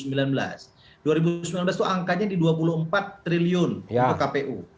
dua ribu sembilan belas itu angkanya di dua puluh empat triliun untuk kpu